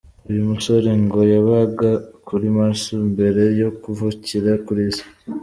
Uyu musore ngo yabaga kuri Mars mbere yo kuvukira ku isi.